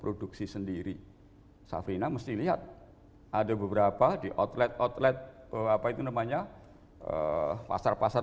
produksi sendiri safrina mesti lihat ada beberapa di outlet outlet apa itu namanya pasar pasar